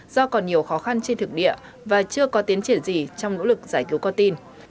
do còn nhiều khó khăn trên thực địa và chưa có tiến triển gì trong nỗ lực giải cứu con tin